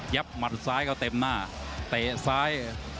ยับมันซ้ายเขาเต็มหน้าเตะซ้าย